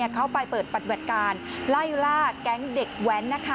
เขาไปเปิดปฏิบัติการไล่ล่าแก๊งเด็กแว้น